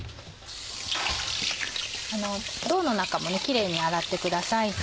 胴の中もキレイに洗ってください。